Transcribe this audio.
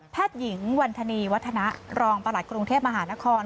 หญิงวันธนีวัฒนะรองประหลัดกรุงเทพมหานคร